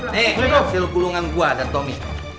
nih hasil gulungan gue dan tommy